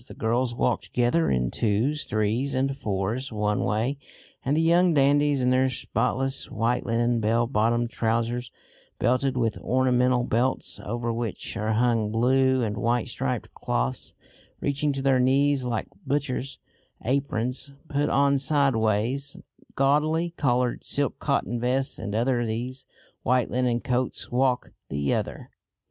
The girls walk together in twos, threes and fours one way, and the young dandies, in their spotless white linen bell bottomed trousers, belted with ornamental belts, over which are hung blue and white striped cloths reaching to their knees like butchers' aprons put on sideways, gaudily coloured silk cotton vests and over these white linen coats, walk the other.